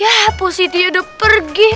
ya mpok siti udah pergi